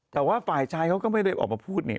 แต่ว่าฝ่ายชายเขาก็ไม่ได้ออกมาพูดเนี่ย